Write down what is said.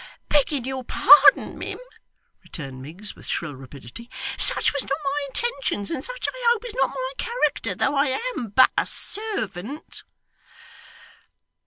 'Begging your pardon, mim,' returned Miggs, with shrill rapidity, 'such was not my intentions, and such I hope is not my character, though I am but a servant.